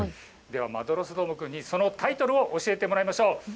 ではマドロスどーもくんにそのタイトルを教えてもらいましょう。